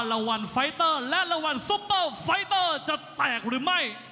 รางวัลไฟเตอร์และรางวัลซุปเปอร์ไฟเตอร์จะแตกหรือไม่